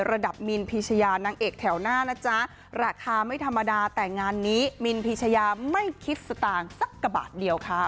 มินพีชยานางเอกแถวหน้านะจ๊ะราคาไม่ธรรมดาแต่งานนี้มินพีชยาไม่คิดสตางค์สักกระบาทเดียวค่ะ